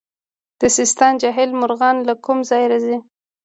د سیستان جهیل مرغان له کوم ځای راځي؟